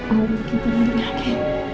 allah mungkin tidak nyangin